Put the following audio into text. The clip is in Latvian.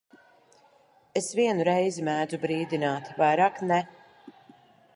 Es vienu reizi mēdzu brīdināt, vairāk ne.